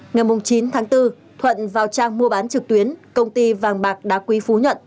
ngày chín tháng bốn thuận vào trang mua bán trực tuyến công ty vàng bạc đá quý phú nhuận